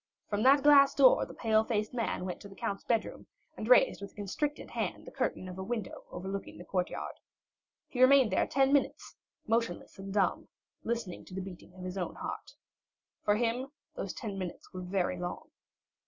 From that glass door the pale faced man went to the count's bedroom and raised with a constricted hand the curtain of a window overlooking the courtyard. He remained there ten minutes, motionless and dumb, listening to the beating of his own heart. For him those ten minutes were very long.